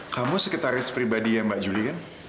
kamu sekitaris pribadi ya mbak julie kan